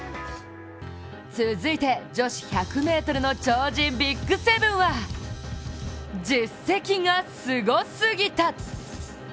続いて、女子１００ｍの超人ＢＩＧ７は実績がすごすぎた！